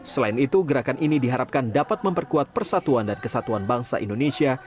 selain itu gerakan ini diharapkan dapat memperkuat persatuan dan kesatuan bangsa indonesia